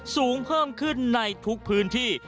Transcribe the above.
สูงเพิ่มขึ้นในทุกพื้นที่